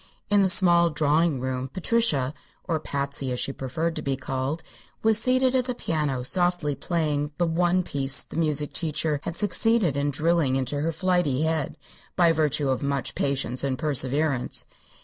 In the small drawing room Patricia or Patsy, as she preferred to be called was seated at the piano softly playing the one "piece" the music teacher had succeeded in drilling into her flighty head by virtue of much patience and perseverance.